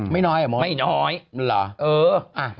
ไม่น้อยเหรอ